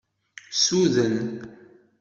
Suden.